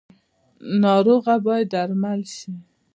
ناروغه باید درمل شي